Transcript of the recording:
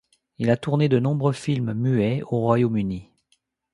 Il a tourné de nombreux films muets au Royaume-Uni.